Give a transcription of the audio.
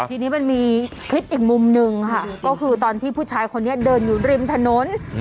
ทีนี้มันมีคลิปอีกมุมหนึ่งค่ะก็คือตอนที่ผู้ชายคนนี้เดินอยู่ริมถนน